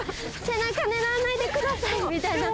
背中、狙わないでください！みたいな。